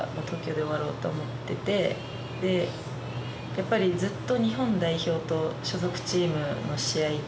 やっぱりずっと。